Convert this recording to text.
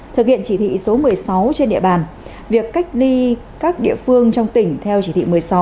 thực hiện chỉ thị số một mươi sáu trên địa bàn việc cách ly các địa phương trong tỉnh theo chỉ thị một mươi sáu